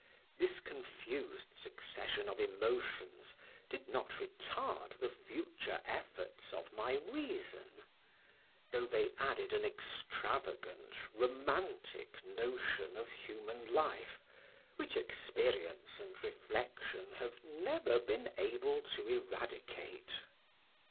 This confused succession of emotions did not retard the future efforts of my reason, though they added an extravagant, romantic notion of human life, which experience and reflection have never been able to eradicate.